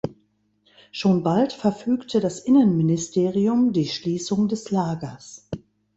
Schon bald verfügte das Innenministerium die Schließung des Lagers.